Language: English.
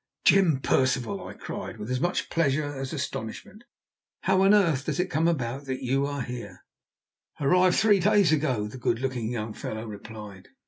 "Jim Percival!" I cried, with as much pleasure as astonishment. "How on earth does it come about that you are here?" "Arrived three days ago," the good looking young fellow replied.